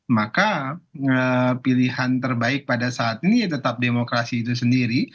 maka pilihan terbaik pada saat ini ya tetap demokrasi itu sendiri